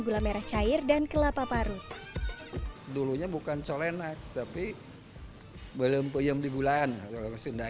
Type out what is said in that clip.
gula merah cair dan kelapa parut dulunya bukan colenak tapi belum peyum di bulan kalau sudah